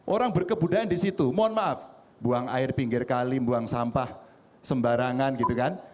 orang berkebudayaan di situ mohon maaf buang air pinggir kalim buang sampah sembarangan gitu kan